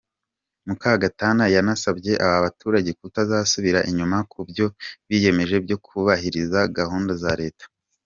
Mukagatana yanasabye aba baturage kutazasubira inyuma ku byo biyemeje byo kubahiriza gahunda za Leta.